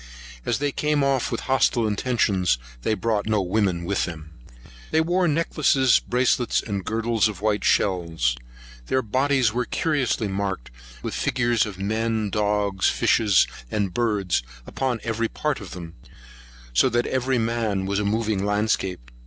As they came off with hostile intentions, they brought no women with them. They wore necklaces, bracelets, and girdles of white shells. Their bodies were curiously marked with the figures of men, dogs, fishes, and birds, upon every part of them; so that every man was a moving landscape.